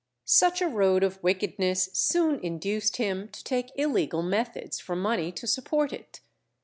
Such a road of wickedness soon induced him to take illegal methods for money to support it.